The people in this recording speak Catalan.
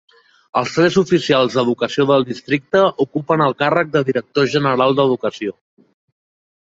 Els tres oficials d'educació del districte ocupen el càrrec de director general d'educació.